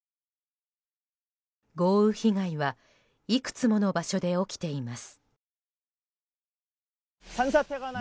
豪雨被害はいくつもの場所で起きています。